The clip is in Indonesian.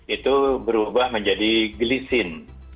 itu berubah menjadi glisin